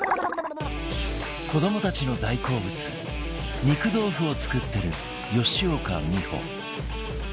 子どもたちの大好物肉豆腐を作ってる吉岡美穂